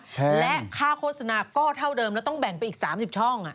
และค่าโฆษณาก็เท่าเดิมแล้วต้องแบ่งไปอีก๓๐ช่อง